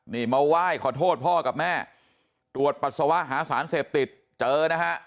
นี่มาไหว้ขอโทษพ่อกับแม่ตรวจปัสสาวะหาสารเสพติดเจอนะฮะ